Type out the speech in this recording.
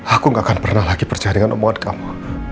aku gak akan pernah lagi berjahat dengan omongan kamu